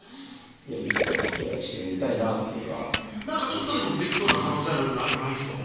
いつか掛け合いしてみたいなというのはちょっとでもできそうな可能性あるの何かないんですか？